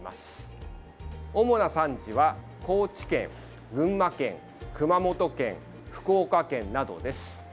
主な産地は高知県、群馬県熊本県、福岡県などです。